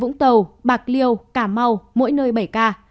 vũng tàu bạc liêu cà mau mỗi nơi bảy ca